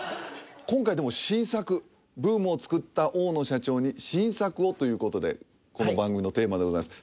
今回でも新作ブームをつくった大野社長に新作をということでこの番組のテーマでございます